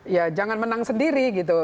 ya jangan menang sendiri gitu